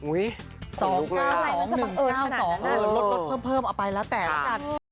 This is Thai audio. ๒๙๒๑๙๒เดินลดเพิ่มเอาไปแล้วแต่ละกัน